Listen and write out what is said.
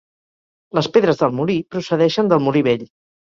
Les pedres del molí procedeixen del molí vell.